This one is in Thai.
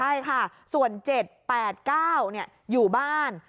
ใช่ค่ะส่วน๗๘๙อยู่บ้าน